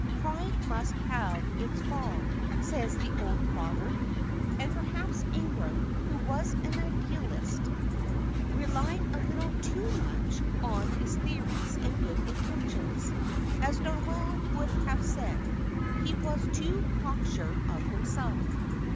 Pride must have its fall, says the old proverb. And perhaps Ingram, who was an Idealist, relied a little too much on his theories and good intentions; as Noel would have said, he was too cocksure of himself.